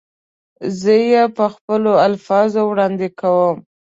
زه یې په خپلو الفاظو وړاندې کوم.